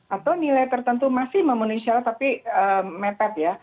atau nilai tertentu masih memenuhi syarat tapi mepet ya